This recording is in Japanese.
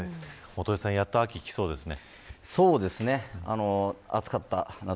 元榮さんやっと秋が来そうですね。